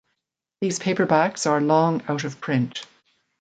These paperbacks are long out of print.